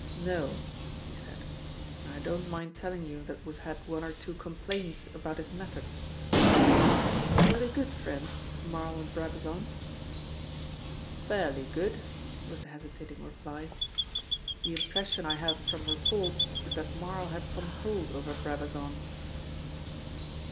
"No," he said, "and I don't mind telling you that we've had one or two complaints about his methods." "Were they good friends Marl and Brabazon?" "Fairly good," was the hesitating reply. "The impression I have from reports is that Marl had some hold over Brabazon."